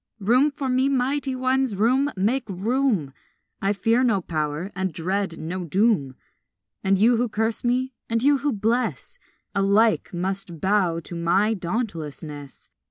Room for me, mighty ones, room, make room! I fear no power and dread no doom; And you who curse me and you who bless Alike must bow to my dauntlessness.